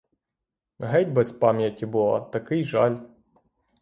Геть без пам'яті була, такий жаль!